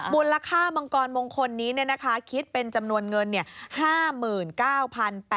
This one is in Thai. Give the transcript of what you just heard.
บุญราคาบังกรมงคลนี้นะคะคิดเป็นจำนวนเงิน๕๙๘๔๕บาท